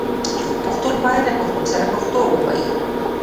پښتون باید له پښتون سره پښتو ووايي